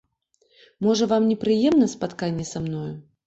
Можа, вам непрыемна спатканне са мною?